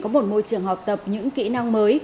có một môi trường học tập những kỹ năng mới